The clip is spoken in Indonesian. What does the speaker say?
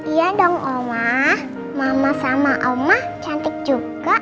iya dong oma mama sama oma cantik juga